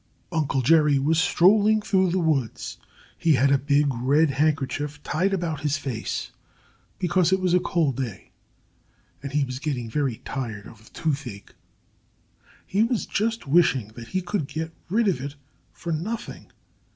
Uncle Jerry was strolling through the woods. He had a big red handkerchief tied about his face, because it was a cold day. And he was getting very tired of the toothache. He was just wishing that he could get rid of it for nothing.